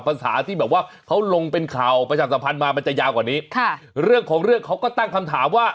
ภาษาที่แบบว่าเขาลงเป็นข่าวประชาสัมพันธ์มามันจะยาวกว่านี้ค่ะเรื่องของเรื่องเขาก็ตั้งคำถามว่า